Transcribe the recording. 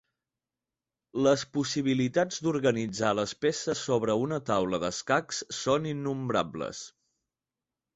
Les possibilitats d'organitzar les peces sobre una taula d'escacs són innombrables.